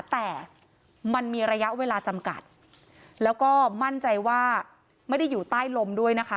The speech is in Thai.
แต่มันมีระยะเวลาจำกัดแล้วก็มั่นใจว่าไม่ได้อยู่ใต้ลมด้วยนะคะ